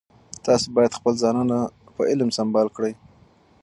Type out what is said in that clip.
تاسو باید خپل ځانونه په علم سمبال کړئ.